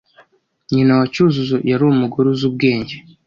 Nyina wa Cyuzuzo yari umugore uzi ubwenge.